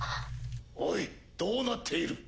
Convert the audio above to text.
おいどうなっている？